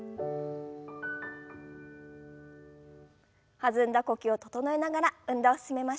弾んだ呼吸を整えながら運動を進めましょう。